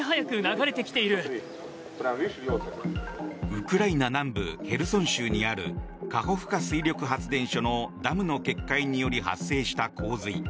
ウクライナ南部ヘルソン州にあるカホフカ水力発電所のダムの決壊により発生した洪水。